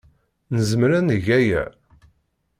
Nezmer ad neg aya?